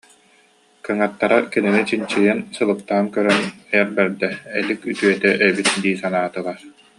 Кыҥаттара кинини чинчийэн, сылыктаан көрөн эр бэрдэ, элик үтүөтэ эбит дии саныыллар